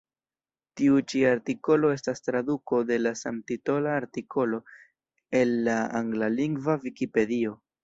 Tiu ĉi artikolo estas traduko de la samtitola artikolo el la anglalingva Vikipedio.